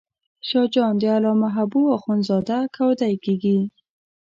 شاه جان د علامه حبو اخند زاده کودی کېږي.